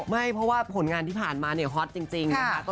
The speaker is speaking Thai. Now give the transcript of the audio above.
ไม่เพราะว่าผลงานที่ผ่านมาเนี่ยฮอตจริงนะคะ